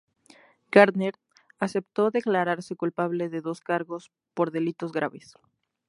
Gardner aceptó declararse culpable de dos cargos por delitos graves.